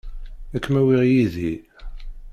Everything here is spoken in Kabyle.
Ad kem-awiɣ yid-i.